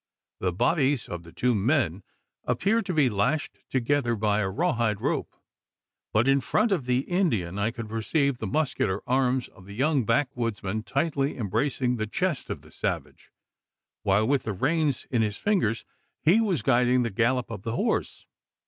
The bodies of the two men appeared to be lashed together by a raw hide rope; but, in front of the Indian, I could perceive the muscular arms of the young backwoodsman tightly embracing the chest of the savage, while with the reins in his fingers he was guiding the gallop of the horse!